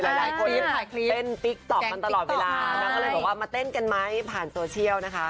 หลายคนเต้นติ๊กต๊อกมันตลอดเวลานางก็เลยบอกว่ามาเต้นกันไหมผ่านโซเชียลนะคะ